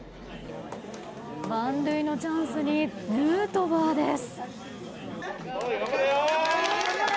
満塁のチャンスにヌートバーです。